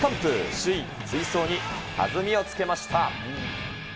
首位追走に弾みをつけました。